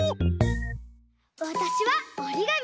わたしはおりがみ！